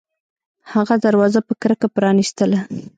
هغه دروازه په کرکه پرانیستله